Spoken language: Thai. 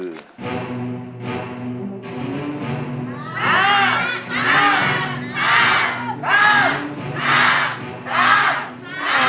นาฬิกา